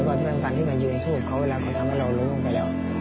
และก็ที่มันกำลังจะยืนสู้เขาเวลาเขาทำให้เรารู้ลงไปแล้ว